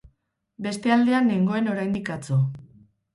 Beste aldean nengoen oraindik atzo.